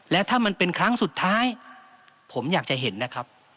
และถ้ามันเป็นครั้งสุดท้ายผมอยากจะเห็นนะครับ